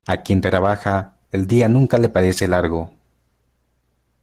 A quien trabaja, el día nunca le parece largo.